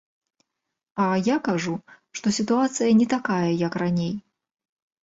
А я кажу, што сітуацыя не такая, як раней.